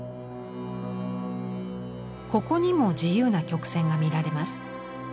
ここにも自由な曲線が見られます。